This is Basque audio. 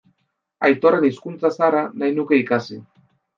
Aitorren hizkuntza zaharra nahi nuke ikasi.